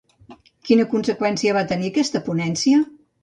Quina conseqüència va tenir aquesta ponència?